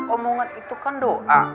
omongan itu kan doa